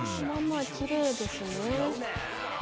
ママきれいですね。